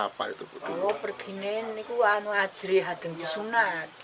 saya pergi karena saya ingin mengajari untuk disuruh sunat